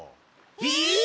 えっ！？